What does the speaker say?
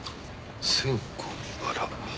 線香にバラ。